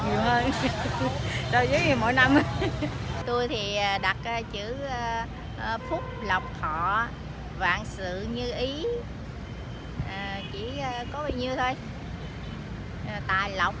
nhiều hơn đôi giấy mỗi năm tôi thì đặt chữ phúc lộc thọ và sự như ý chỉ có bài nghe thôi tài lộc